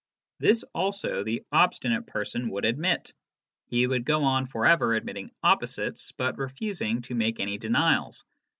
This also the obstinate person would admit. He would go on for ever admitting opposites, but refusing to make any denials.